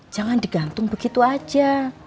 jangan digantung begitu aja